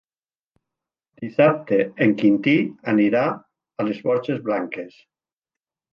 Dissabte en Quintí anirà a les Borges Blanques.